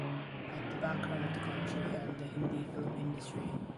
Like the background of the country and the Hindi film industry.